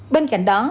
bên cạnh đó